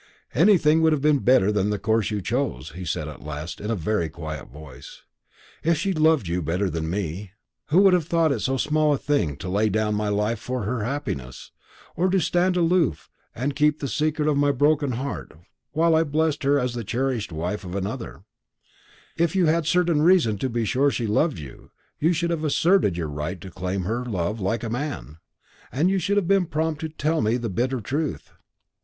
"Anything would have been better than the course you chose," he said at last in a very quiet voice. "If she loved you better than me than me, who would have thought it so small a thing to lay down my life for her happiness, or to stand aloof and keep the secret of my broken heart while I blest her as the cherished wife of another if you had certain reason to be sure she loved you, you should have asserted your right to claim her love like a man, and should have been prompt to tell me the bitter truth.